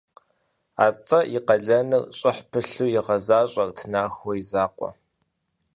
Атӏэми и къалэныр щӏыхь пылъу игъэзащӏэрт Нахъуэ и закъуэ.